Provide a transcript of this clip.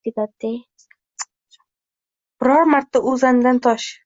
Biror marta o’zandan tosh